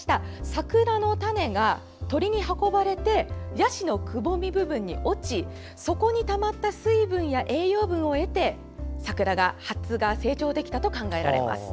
桜の種が鳥に運ばれてヤシのくぼみ部分に落ちそこにたまった水分や栄養分を得て桜が発芽・成長できたと考えられます。